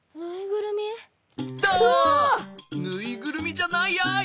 ぬいぐるみじゃないやい。